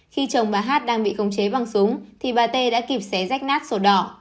khi chồng bà hát đang bị khống chế bằng súng thì bà tê đã kịp xé rách nát sổ đỏ